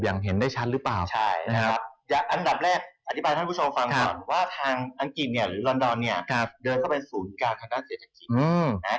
ตอนนี้เราจะเห็นได้แชทว่านักน้องทุนส่วนใหญ่จะจับจ้องไปที่พ